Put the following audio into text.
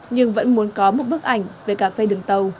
nhưng vẫn muốn có một bức ảnh về cà phê đường tàu